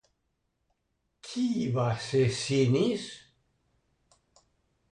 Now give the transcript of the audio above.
Qui va ser Sinis?